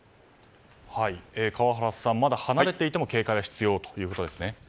川原さん、まだ離れていても警戒が必要ということですね。